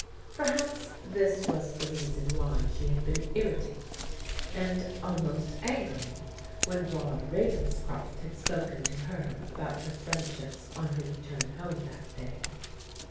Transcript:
Perhaps this was the reason why she had been irritated and almost angry when Rod Ravenscroft had spoken to her about her friendships on her return home that day.